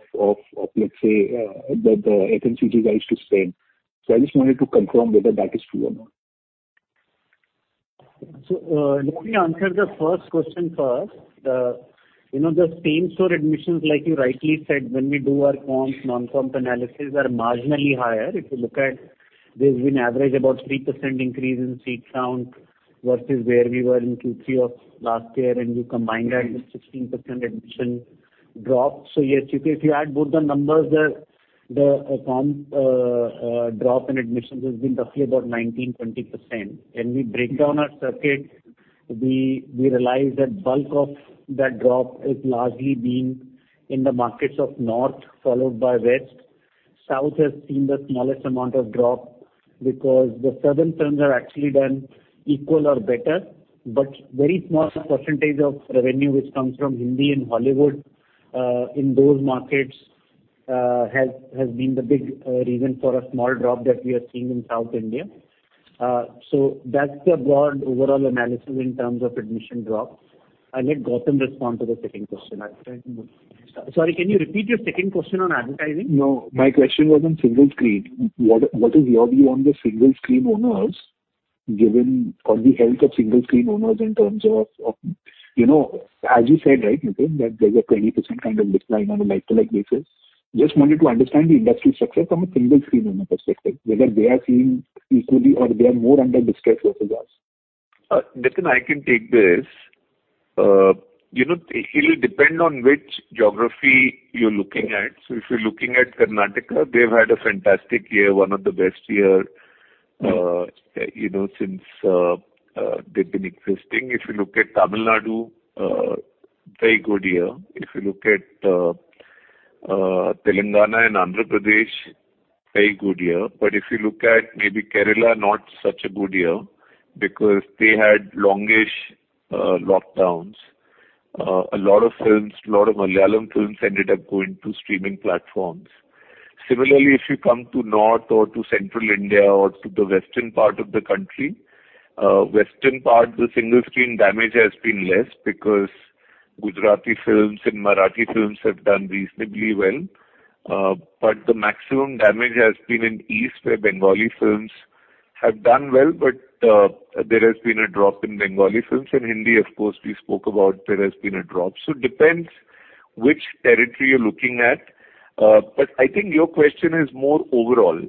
let's say, the FMCG guys to spend. I just wanted to confirm whether that is true or not. Let me answer the first question first. You know, the same store admissions, like you rightly said, when we do our comp/non-comp analysis are marginally higher. If you look at, there's been average about 3% increase in seat count versus where we were in Q3 of last year, and you combine that with 16% admission drop. Yes, if you add both the numbers, the, comp, drop in admissions has been roughly about 19%-20%. When we break down our circuits, we realize that bulk of that drop is largely been in the markets of North, followed by West. South has seen the smallest amount of drop because the Southern films have actually done equal or better. Very small percentage of revenue which comes from Hindi and Hollywood, in those markets, has been the big reason for a small drop that we are seeing in South India. That's the broad overall analysis in terms of admission drop. I'll let Gautam respond to the second question. Sorry, can you repeat your second question on advertising? No. My question was on single screen. What is your view on the single screen owners given or the health of single screen owners in terms of, you know, as you said, right, you think that there's a 20% kind of decline on a like-to-like basis? Just wanted to understand the industry success from a single screen owner perspective, whether they are seeing equally or they are more under distress versus us. Pratik, I can take this. You know, it'll depend on which geography you're looking at. If you're looking at Karnataka, they've had a fantastic year, one of the best year, you know, since they've been existing. If you look at Tamil Nadu, very good year. If you look at Telangana and Andhra Pradesh, very good year. If you look at maybe Kerala, not such a good year because they had long-ish lockdowns. A lot of films, a lot of Malayalam films ended up going to streaming platforms. Similarly, if you come to North or to central India or to the western part of the country. Western part, the single screen damage has been less because Gujarati films and Marathi films have done reasonably well. The maximum damage has been in East, where Bengali films have done well, there has been a drop in Bengali films. In Hindi, of course, we spoke about there has been a drop. It depends which territory you're looking at. I think your question is more overall,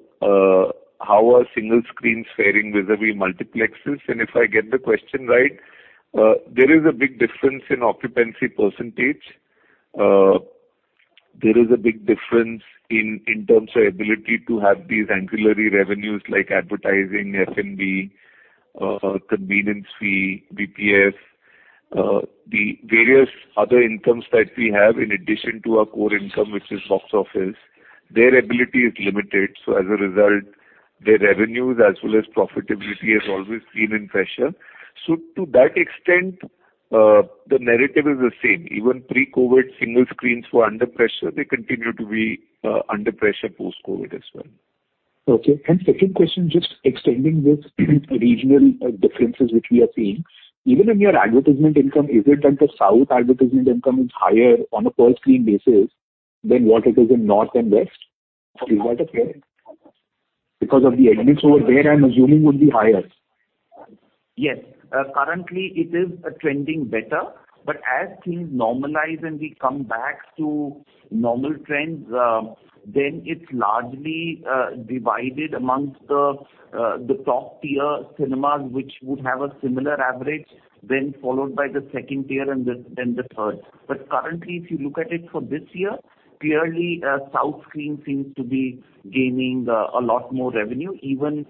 how are single screens fairing vis-à-vis multiplexes? If I get the question right, there is a big difference in occupancy %. There is a big difference in terms of ability to have these ancillary revenues like advertising, F&B, convenience fee, BPS, the various other incomes that we have in addition to our core income, which is box office, their ability is limited. Their revenues as well as profitability has always been in pressure. To that extent, the narrative is the same. Even pre-COVID single screens were under pressure. They continue to be under pressure post-COVID as well. Okay. Second question, just extending this regional differences which we are seeing, even in your advertisement income, is it that the South advertisement income is higher on a per screen basis than what it is in North and West? Is that okay? Because of the events over there, I'm assuming would be higher. Yes. Currently it is trending better, but as things normalize and we come back to normal trends, then it's largely divided amongst the top tier cinemas, which would have a similar average, then followed by the second tier and then the third. Currently, if you look at it for this year, clearly, South screen seems to be gaining a lot more revenue. Even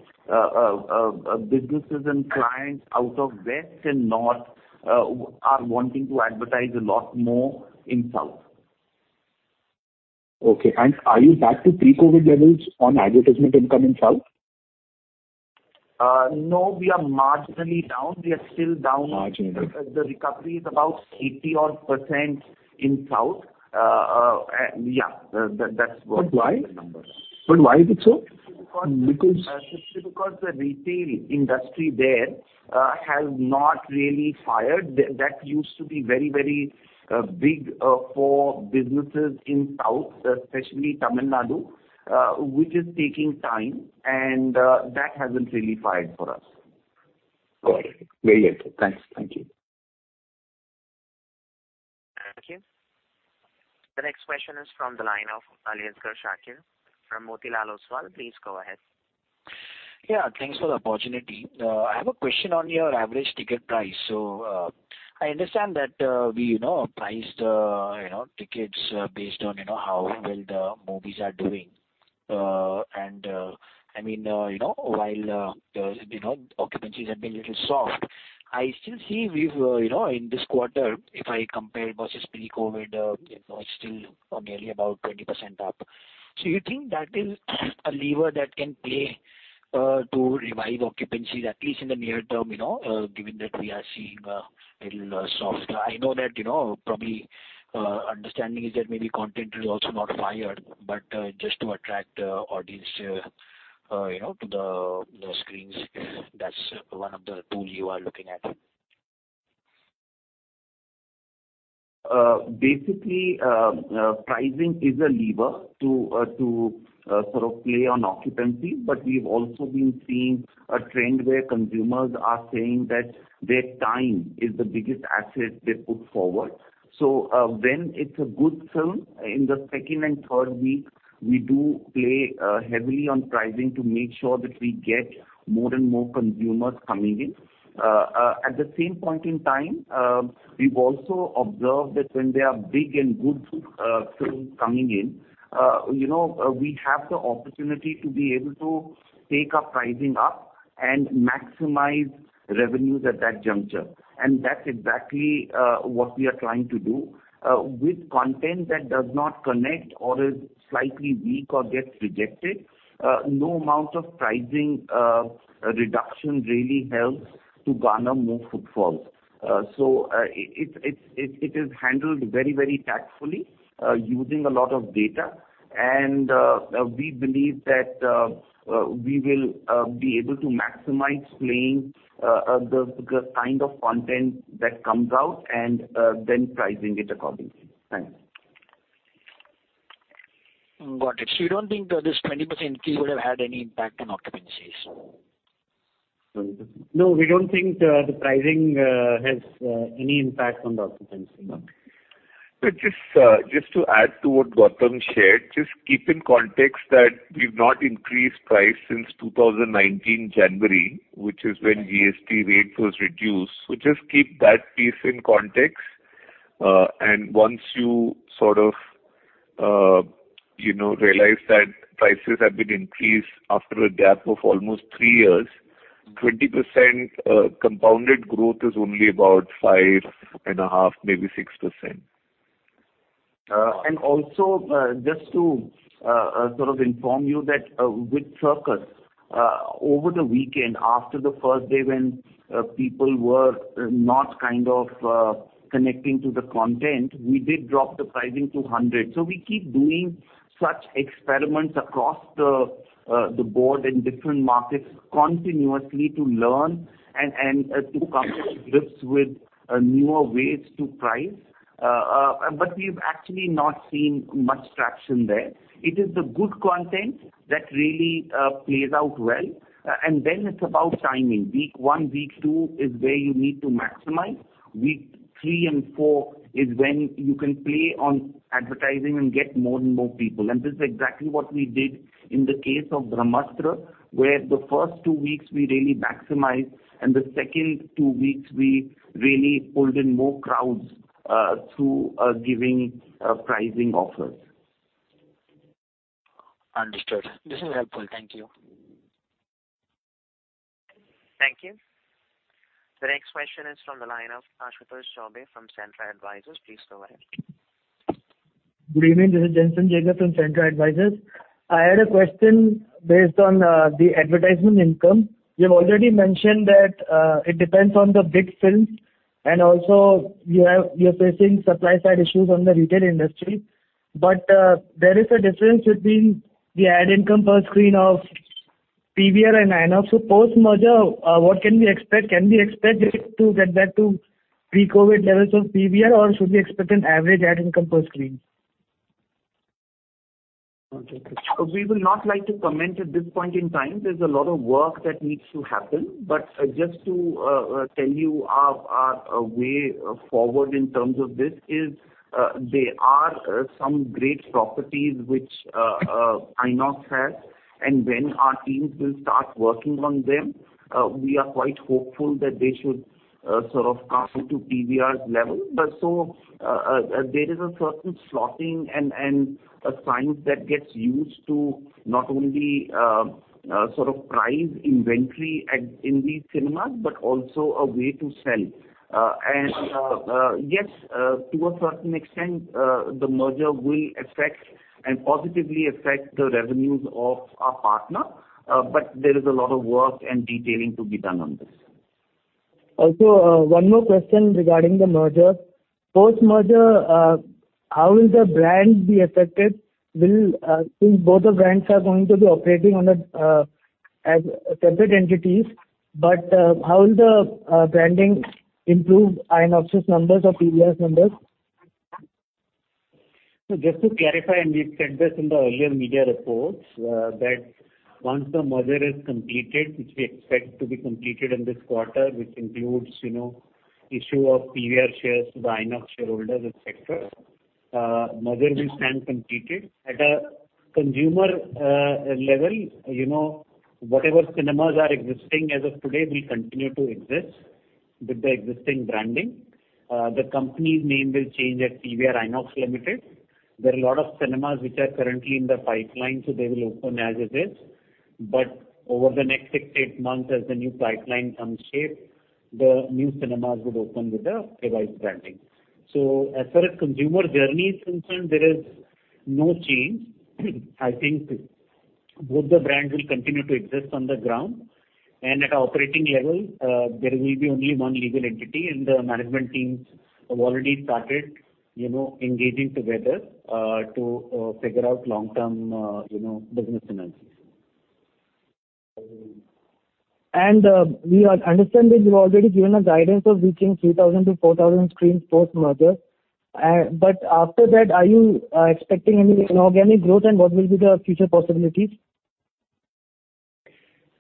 businesses and clients out of West and North are wanting to advertise a lot more in South. Okay. Are you back to pre-COVID levels on advertisement income in South? no, we are marginally down. We are still down- Marginally. The recovery is about 80 odd % in South. Yeah, that's what the number is. Why? Why is it so? Because- Simply because the retail industry there has not really fired. That used to be very, very big for businesses in South, especially Tamil Nadu, which is taking time and that hasn't really fired for us. Got it. Very helpful. Thanks. Thank you. Thank you. The next question is from the line of Aliasgar Shakir from Motilal Oswal. Please go ahead. Yeah, thanks for the opportunity. I have a question on your average ticket price. I understand that, we, you know, priced, you know, tickets, based on, you know, how well the movies are doing. I mean, you know, while, the, you know, occupancies have been little soft, I still see we've, you know, in this quarter, if I compare versus pre-COVID, you know, it's still nearly about 20% up. You think that is a lever that can play, to revive occupancies, at least in the near term, you know, given that we are seeing a little soft? I know that, you know, probably, understanding is that maybe content is also not fired, but, just to attract, audience, you know, to the screens, that's one of the tools you are looking at. Basically, pricing is a lever to sort of play on occupancy. We've also been seeing a trend where consumers are saying that their time is the biggest asset they put forward. When it's a good film in the second and third week, we do play heavily on pricing to make sure that we get more and more consumers coming in. At the same point in time, we've also observed that when there are big and good films coming in, you know, we have the opportunity to be able to take our pricing up and maximize revenues at that juncture. That's exactly what we are trying to do. With content that does not connect or is slightly weak or gets rejected, no amount of pricing reduction really helps to garner more footfalls. It is handled very, very tactfully, using a lot of data. We believe that we will be able to maximize playing the kind of content that comes out and then pricing it accordingly. Thanks. Got it. You don't think this 20% increase would have had any impact on occupancies? No, we don't think the pricing, has any impact on the occupancy, no. Just to add to what Gautam shared, just keep in context that we've not increased price since 2019 January, which is when GST rate was reduced. Just keep that piece in context. Once you sort of, you know, realize that prices have been increased after a gap of almost three years, 20%, compounded growth is only about 5.5%, maybe 6%. Also, just to sort of inform you that with Cirkus, over the weekend after the first day when people were not kind of connecting to the content, we did drop the pricing to 100. We keep doing such experiments across the board in different markets continuously to learn and to come up with newer ways to price. We've actually not seen much traction there. It is the good content that really plays out well, and then it's about timing. Week one, week two is where you need to maximize. Week three and four is when you can play on advertising and get more and more people. this is exactly what we did in the case of Brahmastra, where the first two weeks we really maximized, and the second two weeks we really pulled in more crowds, through, giving, pricing offers. Understood. This is helpful. Thank you. Thank you. The next question is from the line of Ashutosh Chaubey from Centrum Broking. Please go ahead. Good evening. This is Jensen Jacob from Centrum Broking. I had a question based on the advertisement income. You have already mentioned that it depends on the big films, and also you're facing supply side issues on the retail industry. There is a difference between the ad income per screen of PVR and INOX. Post-merger, what can we expect? Can we expect it to get back to pre-COVID levels of PVR or should we expect an average ad income per screen? Okay. We will not like to comment at this point in time. There's a lot of work that needs to happen. Just to tell you our way forward in terms of this is there are some great properties which INOX has. When our teams will start working on them, we are quite hopeful that they should sort of come to PVR's level. There is a certain slotting and a science that gets used to not only sort of price inventory in these cinemas, but also a way to sell. Yes, to a certain extent, the merger will affect and positively affect the revenues of our partner, but there is a lot of work and detailing to be done on this. one more question regarding the merger. Post-merger, how will the brand be affected? Will, since both the brands are going to be operating on a, as separate entities, but, how will the, branding improve INOX's numbers or PVR's numbers? Just to clarify, we've said this in the earlier media reports, that once the merger is completed, which we expect to be completed in this quarter, which includes, you know, issue of PVR shares to the INOX shareholders, et cetera, merger will stand completed. At a consumer level, you know, whatever cinemas are existing as of today will continue to exist with the existing branding. The company's name will change at PVR INOX Limited. There are a lot of cinemas which are currently in the pipeline, so they will open as it is. Over the next six, eight months, as the new pipeline comes shape, the new cinemas would open with the revised branding. As far as consumer journey is concerned, there is no change. I think both the brands will continue to exist on the ground. At operating level, there will be only one legal entity, and the management teams have already started, you know, engaging together, to figure out long-term, you know, business synergies. We are understanding you've already given a guidance of reaching 3,000 to 4,000 screens post-merger. After that, are you expecting any inorganic growth, and what will be the future possibilities?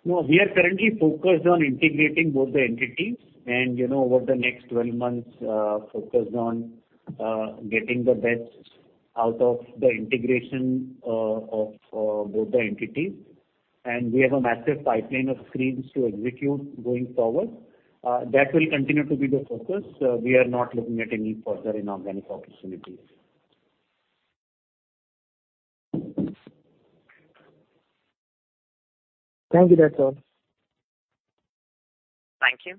No, we are currently focused on integrating both the entities and, you know, over the next 12 months, focused on getting the best out of the integration of both the entities. We have a massive pipeline of screens to execute going forward. That will continue to be the focus. We are not looking at any further inorganic opportunities. Thank you. That's all. Thank you.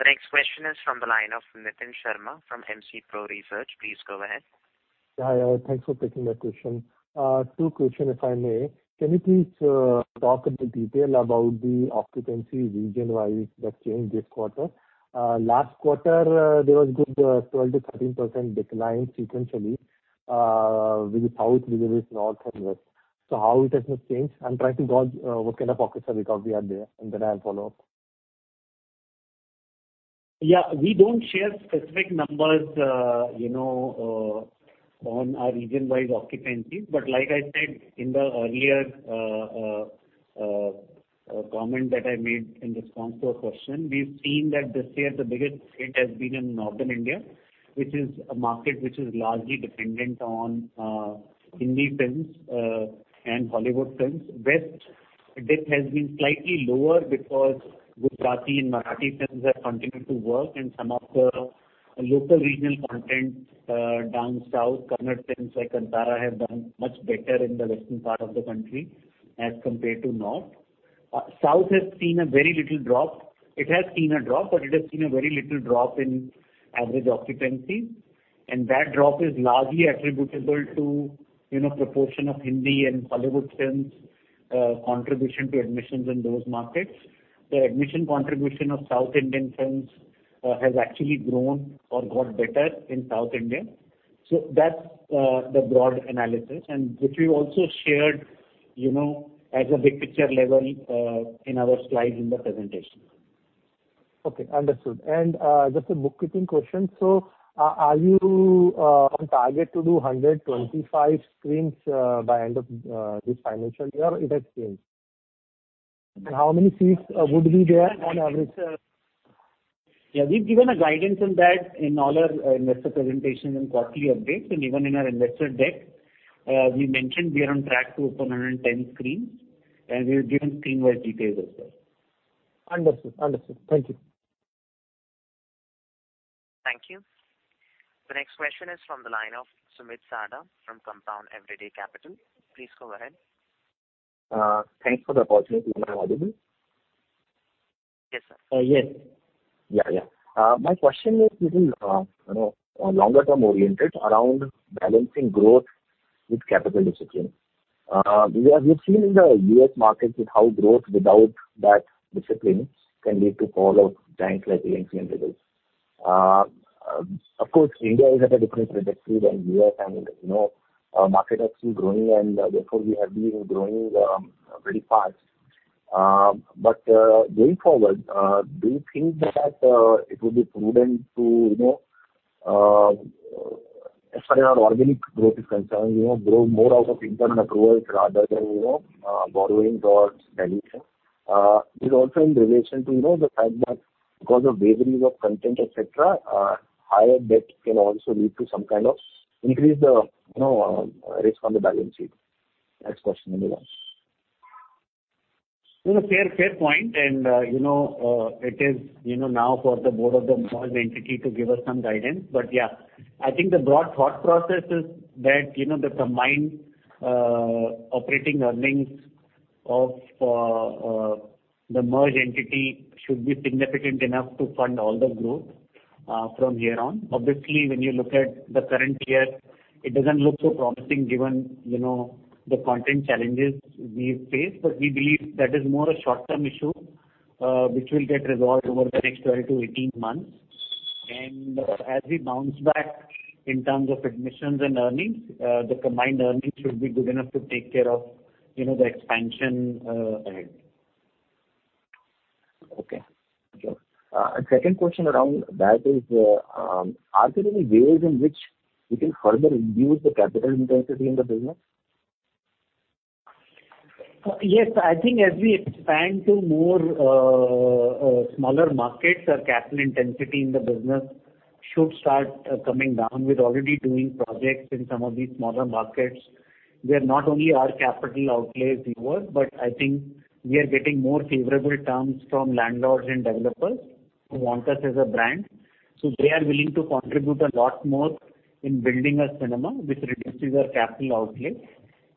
The next question is from the line of Nitin Sharma from MC Pro Research. Please go ahead. Hi. Thanks for taking my question.two question, if I may. Can you please talk a bit detail about the occupancy region-wise that changed this quarter? Last quarter, there was good 12%-13% decline sequentially, with South, Middle East, North and West. So how it has now changed? I'm trying to gauge what kind of pockets of recovery are there, and then I'll follow up. Yeah. We don't share specific numbers, you know, on our region-wise occupancies. Like I said in the earlier comment that I made in response to a question, we've seen that this year the biggest hit has been in Northern India, which is a market which is largely dependent on Hindi films, and Hollywood films. West dip has been slightly lower because Gujarati and Marathi films have continued to work, and some of the local regional content, down South, Kannada films like Kantara have done much better in the western part of the country as compared to North. South has seen a very little drop. It has seen a drop, but it has seen a very little drop in average occupancy, and that drop is largely attributable to, you know, proportion of Hindi and Hollywood films, contribution to admissions in those markets. The admission contribution of South Indian films has actually grown or got better in South India. That's the broad analysis and which we've also shared, you know, as a big picture level, in our slides in the presentation. Okay. Understood. Just a bookkeeping question. Are you on target to do 125 screens by end of this financial year? It has changed. How many seats would be there on average? Yeah, we've given a guidance on that in all our investor presentations and quarterly updates. Even in our investor deck, we mentioned we are on track to open 110 screens, and we've given screen-wise details as well. Understood. Understood. Thank you. Thank you. The next question is from the line of Sumit Sarda from Compound Everyday Capital. Please go ahead. Thanks for the opportunity. Am I audible? Yes, sir. Yes. Yeah, yeah. My question is little, you know, longer-term oriented around balancing growth with capital discipline. We have seen in the U.S. market with how growth without that discipline can lead to fall of banks like. Of course, India is at a different trajectory than U.S., and, you know, market has been growing, and therefore we have been growing very fast. Going forward, do you think that it would be prudent to, you know, as far as our organic growth is concerned, you know, grow more out of internal accruals rather than, you know, borrowing towards expansion? This is also in relation to, you know, the fact that because of vagaries of content, et cetera, higher debt can also lead to some kind of increase the, you know, risk on the balance sheet. Next question. You know, fair point, and, you know, it is, you know, now for the board of the merged entity to give us some guidance. Yeah, I think the broad thought process is that, you know, the combined operating earnings of the merged entity should be significant enough to fund all the growth from here on. Obviously, when you look at the current year, it doesn't look so promising given, you know, the content challenges we face. We believe that is more a short-term issue, which will get resolved over the next 12 to 18 months. As we bounce back in terms of admissions and earnings, the combined earnings should be good enough to take care of, you know, the expansion ahead. Okay. Sure. Second question around that is, are there any ways in which we can further reduce the capital intensity in the business? Yes. I think as we expand to more smaller markets, our capital intensity in the business should start coming down. We're already doing projects in some of these smaller markets, where not only our capital outlay is lower, but I think we are getting more favorable terms from landlords and developers who want us as a brand. They are willing to contribute a lot more in building a cinema, which reduces our capital outlay.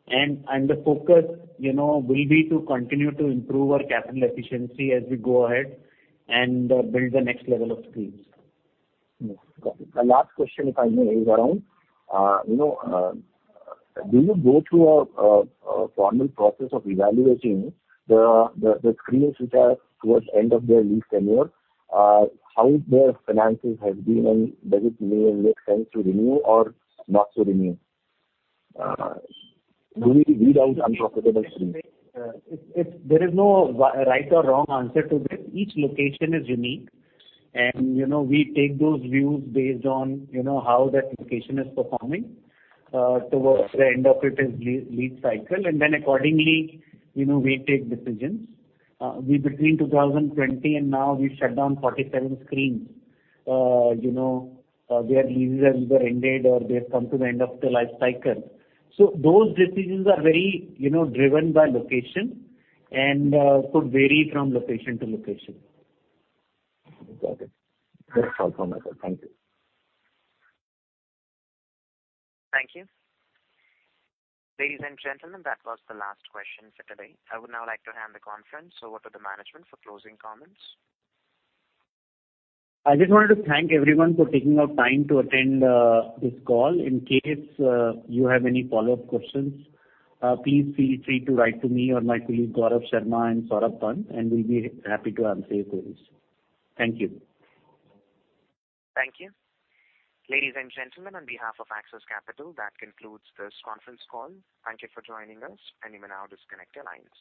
The focus, you know, will be to continue to improve our capital efficiency as we go ahead and build the next level of screens. Yes. Got it. The last question, if I may, is around, you know, do you go through a formal process of evaluating the screens which are towards end of their lease tenure, how their finances has been and does it make sense to renew or not to renew? Do we weed out unprofitable screens? There is no right or wrong answer to this. Each location is unique and, you know, we take those views based on, you know, how that location is performing towards the end of its lease cycle, and then accordingly, you know, we take decisions. Between 2020 and now we've shut down 47 screens. You know, their leases have either ended or they've come to the end of their life cycle. Those decisions are very, you know, driven by location and could vary from location to location. Got it. That's all from my side. Thank you. Thank you. Ladies and gentlemen, that was the last question for today. I would now like to hand the conference over to the management for closing comments. I just wanted to thank everyone for taking out time to attend this call. In case you have any follow-up questions, please feel free to write to me or my colleague, Gaurav Sharma and Saurabh Pant. We'll be happy to answer your queries. Thank you. Thank you. Ladies and gentlemen, on behalf of Axis Capital, that concludes this conference call. Thank you for joining us, and you may now disconnect your lines.